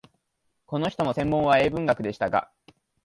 この人も専門は英文学でしたが、